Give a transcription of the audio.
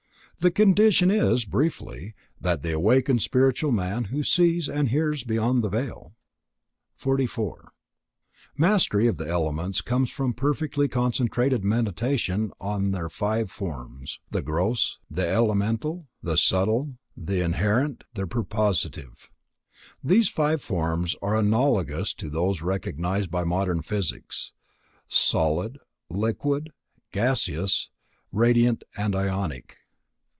The condition is, briefly, that of the awakened spiritual man, who sees and hears beyond the veil. 44. Mastery of the elements comes from perfectly concentrated Meditation on their five forms: the gross, the elemental, the subtle, the inherent, the purposive. These five forms are analogous to those recognized by modern physics: solid, liquid, gaseous, radiant and ionic.